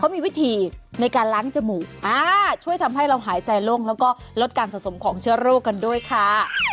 มีวิธีในการล้างจมูกช่วยทำให้เราหายใจโล่งแล้วก็ลดการสะสมของเชื้อโรคกันด้วยค่ะ